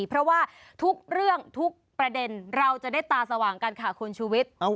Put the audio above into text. เพราะว่าทุกเรื่องทุกประเด็นเราจะได้ตาสว่างกันค่ะคุณชูวิทย์